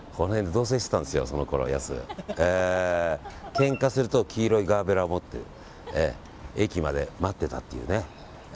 けんかすると黄色いガーベラを持って駅まで待ってたっていうね。